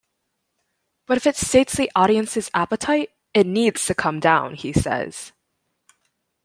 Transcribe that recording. But if it sates the audience's appetite, it needs to come down, he says.